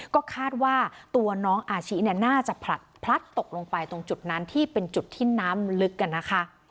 ก็คาดว่าตัวน้องอาชิเนี่ยน่าจะผลัดพลัดตกลงไปตรงจุดนั้นที่เป็นจุดที่น้ำลึกกันนะคะ